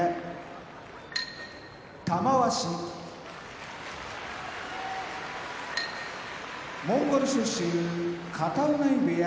玉鷲モンゴル出身片男波部屋